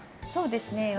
そうですね